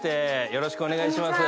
よろしくお願いします。